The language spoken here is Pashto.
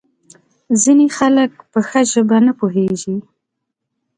ځینې خلک په ښه ژبه نه پوهیږي.